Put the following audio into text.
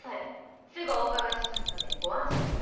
すぐお伺いしますのでご安心を。